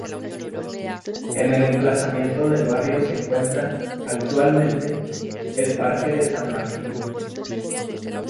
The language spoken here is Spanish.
En el emplazamiento del barrio se encuentra, actualmente, el Parque de San Martín.